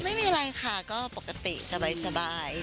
ไม่มีอะไรค่ะก็ปกติสบาย